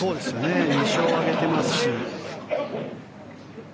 ２勝を挙げてますしね。